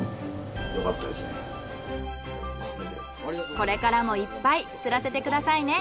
これからもいっぱい釣らせてくださいね。